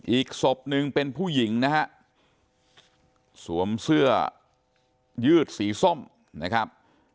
อีกศพหนึ่งเป็นผู้หญิงนะฮะสวมเสื้อยืดสีส้มนะครับ